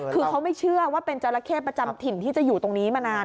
คือเขาไม่เชื่อว่าเป็นจราเข้ประจำถิ่นที่จะอยู่ตรงนี้มานาน